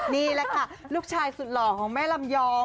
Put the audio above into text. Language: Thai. นี่แหละค่ะลูกชายสุดหล่อของแม่ลำยอง